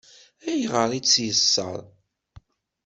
Ayɣer i tt-yeṣṣeṛ?